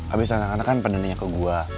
abis anak anak kan pedulinya ke gue